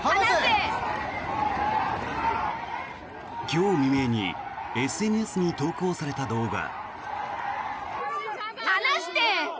今日未明にＳＮＳに投稿された動画。